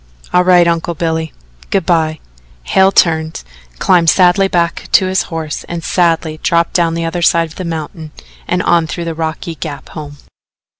"All right, Uncle Billy. Good by." Hale turned, climbed sadly back to his horse and sadly dropped down the other side of the mountain and on through the rocky gap home.